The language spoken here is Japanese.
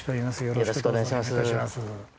よろしくお願いします。